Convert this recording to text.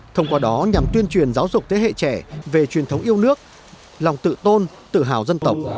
thông qua đó nhằm tuyên truyền giáo dục thế hệ trẻ về truyền thống yêu nước lòng tự tôn tự hào dân tộc